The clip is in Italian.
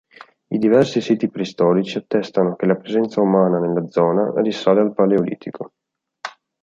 I diversi siti preistorici attestano che la presenza umana nella zona risale al paleolitico.